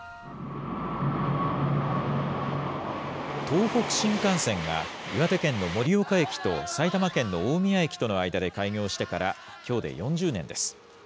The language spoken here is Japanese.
東北新幹線が岩手県の盛岡駅と埼玉県の大宮駅との間で開業してからきょうで４０年です。